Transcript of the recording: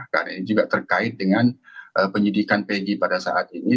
karena ini juga terkait dengan penyidikan pg pada saat ini